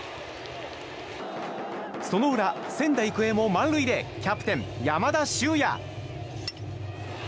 その裏、仙台育英も満塁でキャプテン、山田脩也。